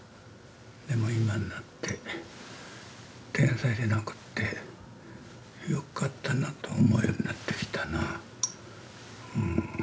でも今になって天才じゃなくってよかったなと思えるようになってきたなぁ。